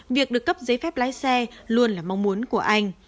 việc được cấp giấy phép lái xe luôn là mong muốn của anh